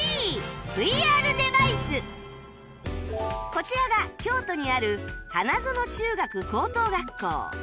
こちらが京都にある花園中学高等学校